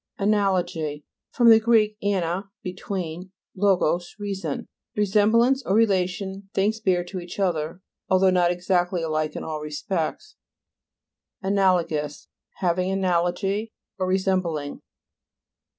ANA'LOGY fr. gr. ana, between; logos, reason. Resemblance or re lation things bear to each other, although not exactly alike in all respects. ANA'LOGOUS Having analogy, or re sembling.